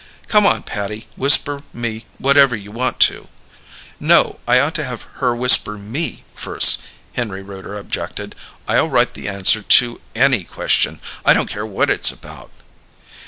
"Come on, Patty, whisper me whatever you want to." "No; I ought to have her whisper me, first," Henry Rooter objected. "I'll write the answer to any question; I don't care what it's about."